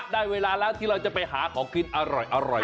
ได้เวลาแล้วที่เราจะไปหาของกินอร่อย